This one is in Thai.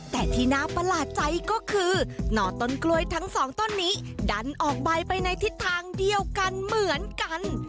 แต่ที่น่าประหลาดใจก็คือหน่อต้นกล้วยทั้งสองต้นนี้ดันออกใบไปในทิศทางเดียวกันเหมือนกัน